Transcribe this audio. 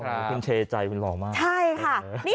คุณเชใจคุณหล่อมากใช่ค่ะ